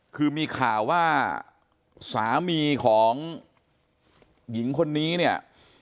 คือมีข่าวว่าสามีของหญิงคนนี้เนี่ย